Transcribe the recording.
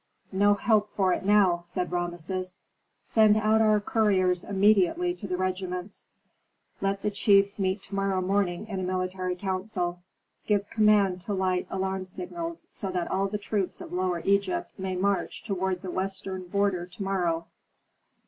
"No help for it now," said Rameses. "Send out our couriers immediately to the regiments; let the chiefs meet to morrow morning in a military council. Give command to light alarm signals, so that all the troops of Lower Egypt may march toward the western border to morrow.